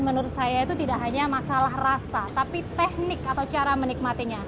menurut saya itu tidak hanya masalah rasa tapi teknik atau cara menikmatinya